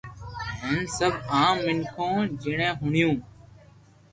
ھين سب عام مينکون جيڻي ھوڻيون